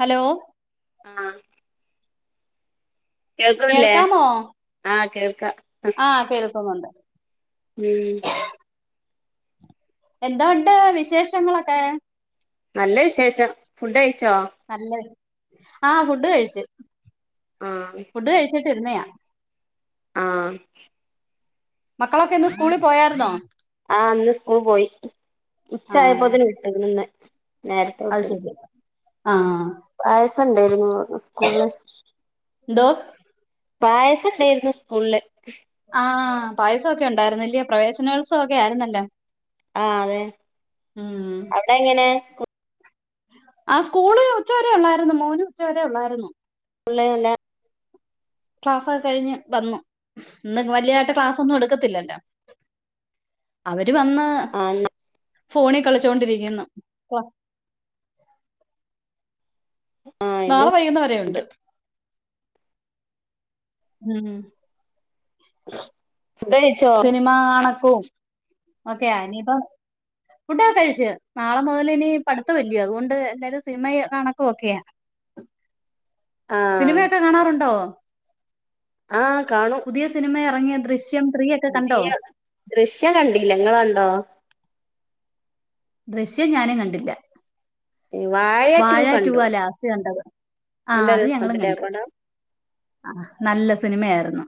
Hello. ആഹ്. കേൾക്കുന്നില്ലേ കേൾക്കാമോ ആഹ് കേൾക്കാം ആഹ് കേൾക്കുന്നുണ്ട്. ഉം. എന്തുണ്ട് വിശേഷങ്ങളൊക്കെ? നല്ല വിശേഷം ഫുഡയിച്ചോ? നല്ല ആഹ് ഫുഡ് കഴിച്. ആഹ്. ഫുഡ് കഴിച്ചിട്ടിരുന്നയാ. ആഹ്. മക്കളൊക്കെ ഇന്ന് സ്‌കൂളി പോയാരുന്നോ? ആഹ് ഇന്ന് സ്കൂള് പോയി ആഹ് ഉച്ചായപ്പോതിന് വിട്ടു ഇന്ന് നേരത്തെ അത് വിട്ണ്. ശരി ആഹ്. പായസം ഇണ്ടായിരുന്നു ഉസ്കൂളില്. എന്തോ പായസണ്ടായിരുന്നു സ്കൂളില്. ആഹ് പായസൊക്കെ ഉണ്ടായിരുന്നല്യ പ്രവേശനോത്സവ ഒക്കെ ആയിരുന്നല്ലോ. ആഹ് അതെ ഉം അവടെ എങ്ങനെ സ്കൂ ആഹ് സ്കൂള് ഉച്ചവരെ ഒള്ളാരുന്ന് മോന് ഉച്ചവരെ ഒള്ളാരുന്നു. [unintelligible] ക്ലാസ്സൊക്കെ കഴിഞ്ഞ് വന്നു ഇന്ന് വല്യായിട്ട് ക്ലാസ്സ് ഒന്നും എടുക്കത്തില്ലല്ലോ. അവര് വന്ന് [unintelligible] ഫോണി കളിച്ചോണ്ടിരിക്കുന്നു. ആഹ് ഇത് നാളെ വൈകുന്ന വരെയുണ്ട്. ഉം. [unintelligible] ഫുഡഴിച്ചോ? സിനിമാ കാണക്കും ഒക്കെയാ ഇനിപ്പം ഫുഡൊക്കെ കഴിച്ചു നാളെ മുതലിനി പഠിത്തവല്ലയോ അതുകൊണ്ട് എല്ലാരും സിനിമ കണക്കുവൊക്കെയാ. [inaudible] ആഹ് സിനിമയൊക്കെ കാണാറുണ്ടോ? ആഹ് കാണും. പുതിയ സിനിമയെറങ്ങിയ ദൃശ്യംത്രീയൊ പുതിയ ദൃശ്യം കണ്ടീല ഇങ്ങള് കണ്ടോ? ദൃശ്യം ഞാനും കണ്ടില്ല വാഴ ടു കണ്ടു വാഴറ്റൂവാ ലാസ്റ്റ് കണ്ടത്. നല്ല ആഹ് അത് ഞങ്ങളും രസണ്ടല്ലേ കണ്ട്. പടം ആഹ് നല്ല സിനിമയാരുന്നു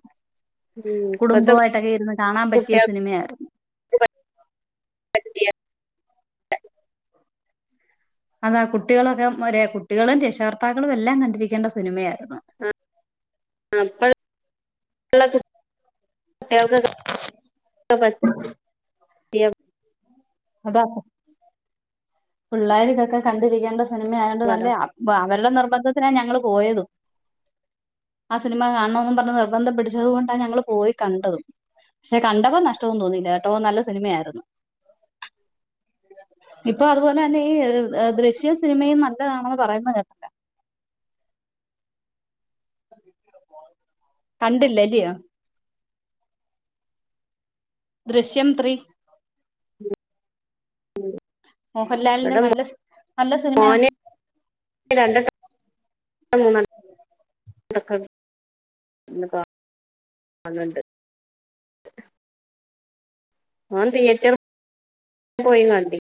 ഉം ഇപ്പത്തെ കുടുംബമായിട്ടൊക്കെ ഇരുന്ന് കാണാൻ പറ്റിയ കുട്ടികൾക്ക് സിനിമയാരുന്നു. [unintelligible] അതാ കുട്ടികളൊക്കെ ഒരേ കുട്ടികളും രക്ഷകർത്താക്കളും എല്ലാം കണ്ടിരിക്കേണ്ട സിനിമയാരുന്നു. ആഹ് ഇപ്പള്ള കുട്ടിയേൾക്കൊക്കെ [unintelligible] അതാക്കും. പിള്ളേരിതൊക്കെ കണ്ടിരിക്കേണ്ട സിനിമായോണ്ട് നല്ല പടാ അവരുടെ നിർബന്ധത്തിനാ ഞങ്ങള് പോയതും. ആഹ് സിനിമ കാണണോന്നും പറഞ്ഞ് നിർബന്ധം പിടിച്ചത് കൊണ്ടാ ഞങ്ങള് പോയി കണ്ടതും. പക്ഷെ കണ്ടപ്പോ നഷ്ട്ടവൊന്നും തോന്നിയില്ല കെട്ടോ നല്ല സിനിമയായിരുന്നു. ഇപ്പൊ അതുപോലെ തന്നെ ഈ ദൃശ്യം സിനിമയും നല്ലതാണെന്ന് പറയുന്ന കേട്ട് കണ്ടില്ല അല്ലിയോ? ദൃശ്യം ത്രീ ഇവിടെ മോഹൻലാലിന്റെ നല്ല നല്ല സിനിമയാ [unintelligible] രണ്ടണ്ണം [unintelligible] മൂന്നെണ്ണം [unintelligible] മോൻ തിയേറ്ററ് പോയി കണ്ട്